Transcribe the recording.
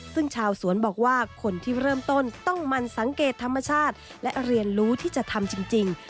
ซึ่งชาวสวนบอกว่าคนที่เริ่มต้นต้องมันสังเกตธรรมชาติและเรียนรู้ที่จะทำจริง